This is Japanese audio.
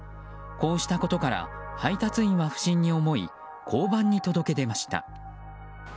こうしたことから配達員は不審に思い交番に届け出ました。